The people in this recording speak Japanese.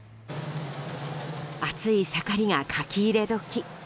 暑い盛りが書き入れ時。